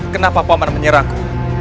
kenapa paman menyerahku